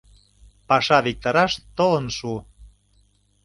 Паша виктараш толын шу...